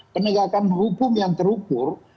penegakan hukum yang terukur